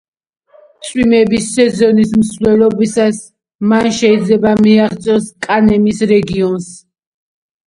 წვიმების სეზონის მსვლელობისას, მან შეიძლება მიაღწიოს კანემის რეგიონს.